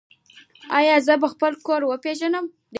ایا زه به خپل کور وپیژنم؟